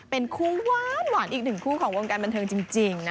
เป็นคู่หวานอีกหนึ่งคู่ของวงการบันเทิงจริงนะ